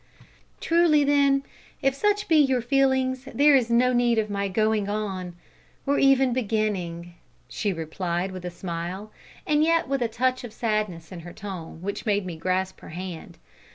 "Truly, then, if such be your feelings, there is no need of my going on, or even beginning," she replied, with a smile, and yet with a touch of sadness in her tone which made me grasp her hand.